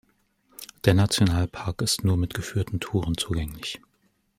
Der Nationalpark ist nur mit geführten Touren zugänglich.